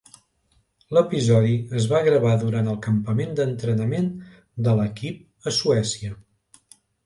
L'episodi es va gravar durant el campament d'entrenament de l'equip a Suècia.